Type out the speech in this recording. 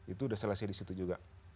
itu sudah selesai di situ juga